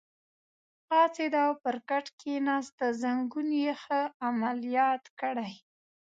پاڅېد او پر کټ کېناست، زنګون یې ښه عملیات کړی.